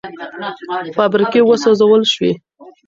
فابریکې وسوځول شوې.